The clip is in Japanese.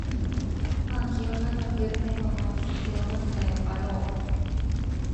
まあ気を永く猫の時節を待つがよかろう